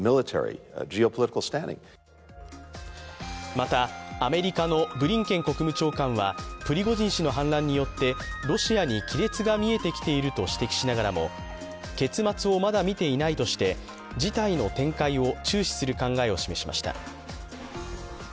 また、アメリカのブリンケン国務長官はプリゴジン氏の反乱によって亀裂が見えてきていると指摘しながらも結末をまだ見ていないとして事態の展開を注視する考えを示しました。